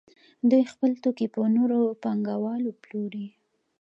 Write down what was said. دوی خپل توکي په نورو پانګوالو پلوري